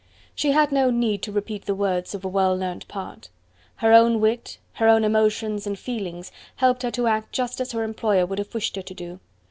She had no need to repeat the words of a well learnt part: her own wit, her own emotions and feelings helped her to act just as her employer would have wished her to do.